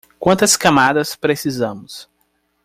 Quantas camadas precisamos?